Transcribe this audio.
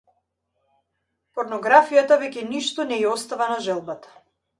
Порнографијата веќе ништо не ѝ остава на желбата.